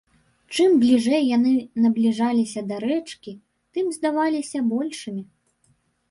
Чым бліжэй яны набліжаліся да рэчкі, тым здаваліся большымі.